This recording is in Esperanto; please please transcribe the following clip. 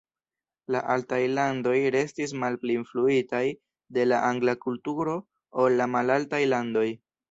La altaj landoj restis malpli influitaj de la angla kulturo ol la malaltaj landoj.